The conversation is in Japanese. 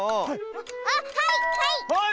あっはいはい！